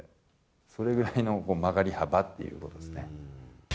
それぐらいの曲がり幅っていうことですね。